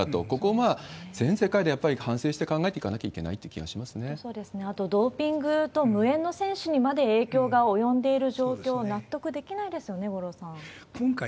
ここは全世界でやっぱり反省して考えていかなきゃいけないって気そしてドーピングと無縁の選手にまで影響が及んでいる状況、納得できないですよね、五郎さん。